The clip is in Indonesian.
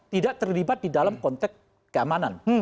tidak terlibat di dalam konteks keamanan